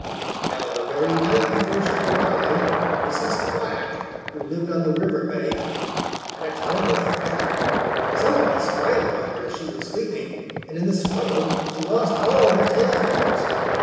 Now, the very night before she arrived, Mrs. Quack, who lived on the river bank, had a terrible fright. Somebody sprang upon her as she was sleeping, and in the struggle she lost all her tail feathers.